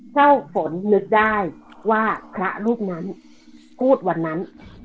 เจ้าฝนนึกได้ว่าพระรูปนั้นพูดวันนั้น